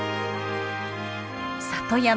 「里山」。